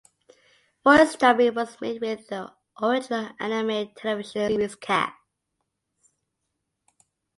Voice dubbing was made with the original anime television series cast.